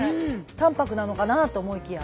淡泊なのかなと思いきや。